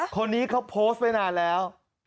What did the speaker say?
คนนี้เขาโพสต์ไว้นานแล้ว